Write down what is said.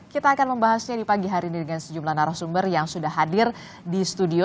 kita akan membahasnya di pagi hari ini dengan sejumlah narasumber yang sudah hadir di studio